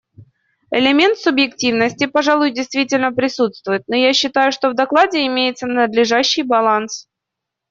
Элемент субъективности, пожалуй, действительно присутствует, но я считаю, что в докладе имеется надлежащий баланс.